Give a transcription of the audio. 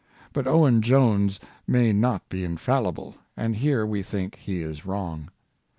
But Owen Jones may not be infallible, and here we think he is wrong.